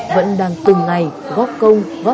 vẫn đang từng ngày góp công